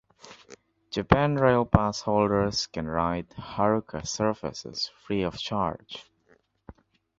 Japan Rail Pass holders can ride "Haruka" services free of charge.